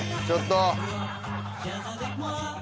ちょっと。